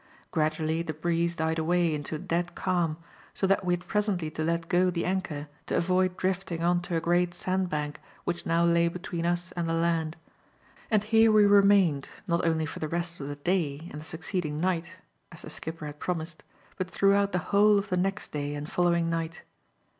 Gradually the breeze died away into a dead calm, so that we had presently to let go the anchor to avoid drifting on to a great sand bank which now lay between us and the land. And here we remained not only for the rest of the day and the succeeding night, as the skipper had promised, but throughout the whole of the next day and following night.